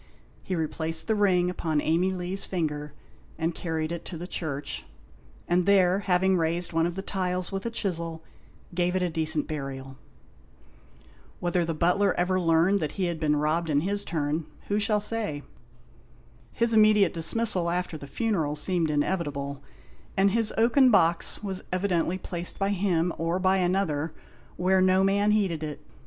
He replaced the ring upon Amey Lee's finger and carried it into the church, and there, having raised one of the tiles with a chisel, gave it decent burial. Whether the butler ever learned that he had been robbed in his turn, who shall say? His immediate dismissal, after the funeral, seemed inevitable, and his oaken box was evidently placed by him, or by another, where no man heeded it.